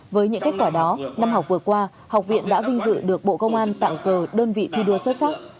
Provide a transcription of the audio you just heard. với những kết quả đó năm học vừa qua học viện đã vinh dự được bộ công an tặng cờ đơn vị thi đua xuất sắc